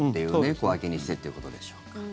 小分けにしてということでしょうか。